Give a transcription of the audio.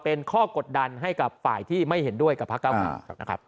เป็นข้อกดดันให้กับฝ่ายที่ไม่เห็นด้วยกับภาคเก้านะครับ